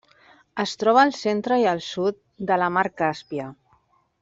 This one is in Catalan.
Es troba al centre i el sud de la mar Càspia.